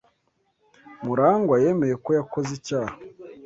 Murangwa yemeye ko yakoze icyaha.